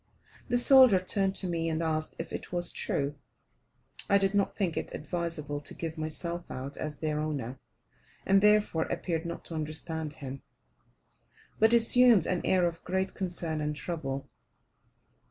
The soldier turned to me and asked if it was true. I did not think it advisable to give myself out as their owner, and therefore appeared not to understand him, but assumed an air of great concern and trouble.